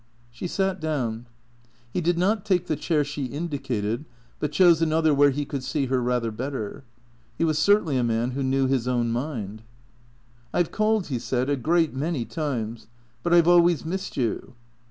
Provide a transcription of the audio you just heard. She sat down. He did not take the chair she indicated, but chose another where he could see her rather better. He was certainly a man who knew his own mind. " I 've called," he said, " a great many times. But I 'vo always missed you."